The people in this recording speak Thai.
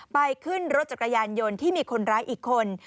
ไปขึ้นรถจักรยานยนต์ที่มีคนร้ายอีกคน